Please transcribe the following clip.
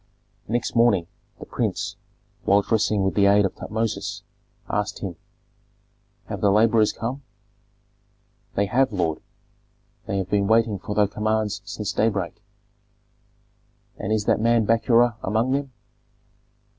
Next morning the prince, while dressing with the aid of Tutmosis, asked him, "Have the laborers come?" "They have, lord; they have been waiting for thy commands since daybreak." "And is that man Bakura among them?"